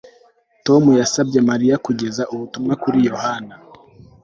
Tom yasabye Mariya kugeza ubutumwa kuri Yohana